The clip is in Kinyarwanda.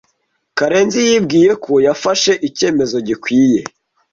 Karenzi yibwiye ko yafashe icyemezo gikwiye.